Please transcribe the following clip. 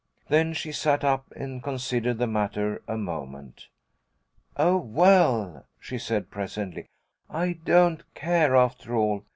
Then she sat up and considered the matter a moment. "Oh, well," she said, presently, "I don't care, after all.